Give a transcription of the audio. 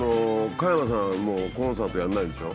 加山さんもうコンサートやらないんでしょ？